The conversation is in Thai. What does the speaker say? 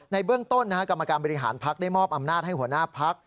ในเบื้องต้นกรรมการบริหารพักได้มอบอำนาจให้หัวหน้าพัก